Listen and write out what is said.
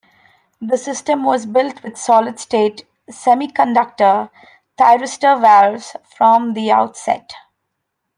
The system was built with solid-state semiconductor thyristor valves from the outset.